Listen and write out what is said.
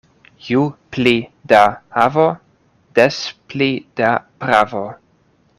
Ju pli da havo, des pli da pravo.